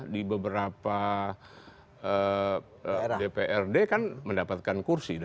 di beberapa dprd kan mendapatkan kursi